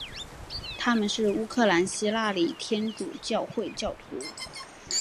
他们是乌克兰希腊礼天主教会教徒。